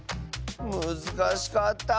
むずかしかった。